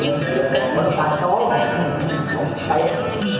อย่างเกินขัดสนับสนามนั้นไม่มีนักบันดีกับ